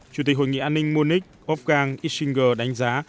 chủ tịch hội nghị an ninh munich wolfgang ischinger đánh giá